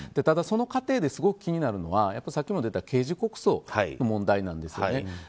ただ、その過程ですごく気になるのはさっきも出た刑事告訴の問題なんです。